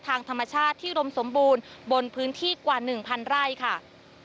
ทางธรรมชาติที่อุดมสมบูรณ์บนพื้นที่กว่า๑๐๐ไร่ค่ะ